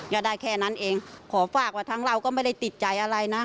ก็ได้แค่นั้นเองขอฝากว่าทั้งเราก็ไม่ได้ติดใจอะไรนะ